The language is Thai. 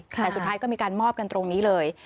แต่สุดท้ายก็มีการมอบกันตรงนี้เลย